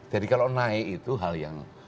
kalau naik itu hal yang